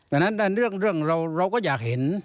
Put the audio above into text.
ดังนั้นเรื่องเราก็อยากเห็น